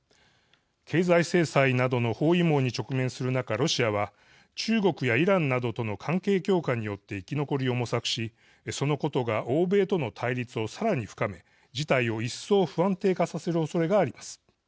経済制裁などの包囲網に直面する中、ロシアは中国やイランなどとの関係強化によって生き残りを模索しそのことが欧米との対立をさらに深め、事態を一層不安定させるおそれがあります。